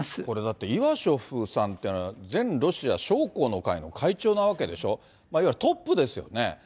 これ、だってイワショフさんというのは全ロシア将校の会の会長なわけでしょ、いわゆるトップですよね。